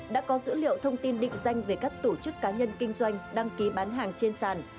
đã có dữ liệu thông tin định danh về các tổ chức cá nhân kinh doanh đăng ký bán hàng trên sàn